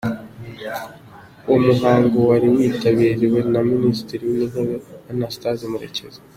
Uwo muhango wari witabiriwe na Minisitiri w’Intebe, Anastase Murekezi.